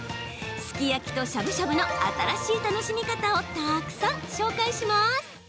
すき焼きとしゃぶしゃぶの新しい楽しみ方をたくさん紹介します。